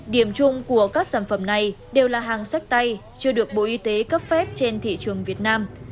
điểm chung của các sản phẩm này đều là hàng sách tay chưa được bộ y tế cấp phép trên thị trường việt nam